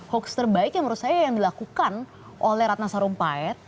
hoax terbaik yang menurut saya yang dilakukan oleh ratna sarumpait